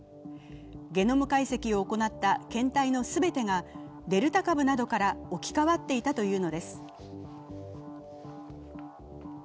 ゲノム解析を行った検体の全てがデルタ株などから置き換わっていたというのです。